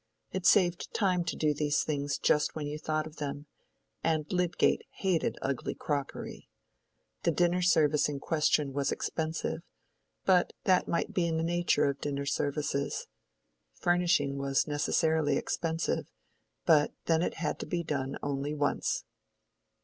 It saved time to do these things just when you thought of them, and Lydgate hated ugly crockery. The dinner service in question was expensive, but that might be in the nature of dinner services. Furnishing was necessarily expensive; but then it had to be done only once.